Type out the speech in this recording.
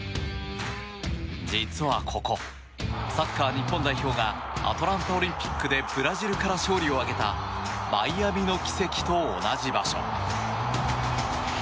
実はここ、サッカー日本代表がアトランタオリンピックでブラジルから勝利を挙げたマイアミの奇跡と同じ場所。